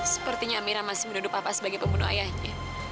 sepertinya amirah masih menuduh papa sebagai pembunuh ayahnya